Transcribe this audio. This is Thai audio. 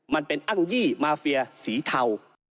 มันเป็นอ้างยี่มาเฟียสีเทา